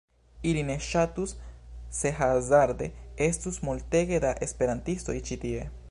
Ili ne ŝatus se hazarde estus multege da esperantistoj ĉi tie.